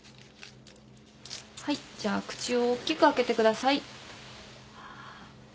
はいじゃあ口をおっきく開けてください。